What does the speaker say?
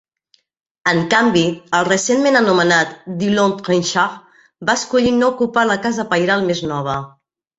En canvi, el recentment anomenat Dillon-Trenchards va escollir no ocupar la casa pairal més nova.